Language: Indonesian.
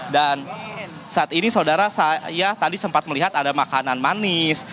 dan saat ini saudara saya tadi sempat melihat ada makanan manis